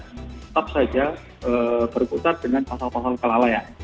tetap saja berputar dengan pasal pasal kelalaian